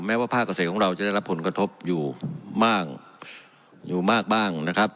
ว่าภาคเกษตรของเราจะได้รับผลกระทบอยู่บ้างอยู่มากบ้างนะครับ